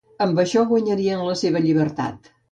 Amb això guanyarien la seva llibertat.